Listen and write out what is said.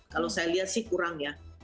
kalau saya lihat sih kurang ya